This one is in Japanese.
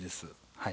はい。